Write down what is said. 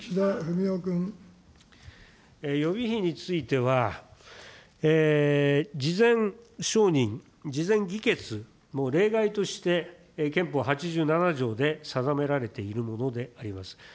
予備費については、事前承認、事前議決も例外として憲法８７条で定められているものであります。